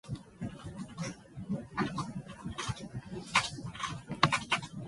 This combination had more available fuel.